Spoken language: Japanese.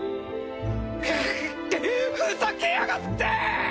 ふざけやがって！